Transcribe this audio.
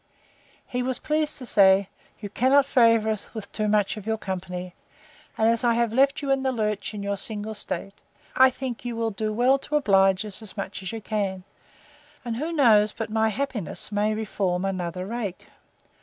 He was pleased to say, You cannot favour us with too much of your company; and as I have left you in the lurch in your single state, I think you will do well to oblige us as much as you can; and who knows but my happiness may reform another rake?